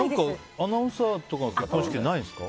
アナウンサーとかの結婚式でないですか？